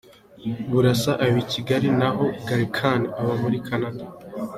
Burasa aba i Kigali na ho Gallican aba muri Canada.